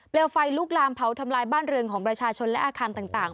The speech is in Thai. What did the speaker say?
ไฟลุกลามเผาทำลายบ้านเรือนของประชาชนและอาคารต่าง